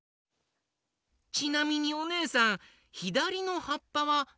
ちなみにおねえさんひだりのはっぱはなに？